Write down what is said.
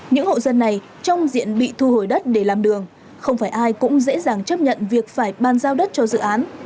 những hộ dân này trong diện bị thu hồi đất để làm đường không phải ai cũng dễ dàng chấp nhận việc phải ban giao đất cho dự án